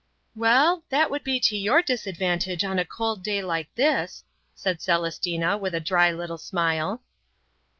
"Well, that would be to your disadvantage on a cold day like this," said Celestina with a dry little smile.